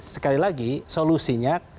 sekali lagi solusinya